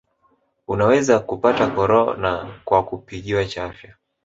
unaweza kupata korona kwa kupigiwa chafya